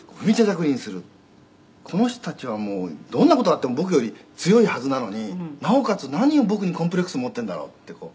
「この人たちはもうどんな事があっても僕より強いはずなのになおかつ何を僕にコンプレックス持っているんだろうって」